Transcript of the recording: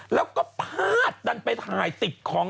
แล้วก็พาดดันไปถ่ายติดของ